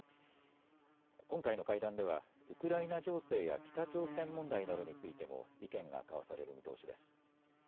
今回の会談ではウクライナ情勢や北朝鮮問題などについても意見が交わされる見通しです。